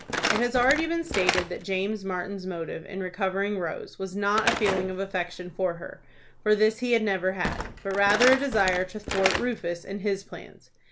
It has already been stated that James Martin's motive in recovering Rose was not a feeling of affection for her, for this he had never had, but rather a desire to thwart Rufus in his plans.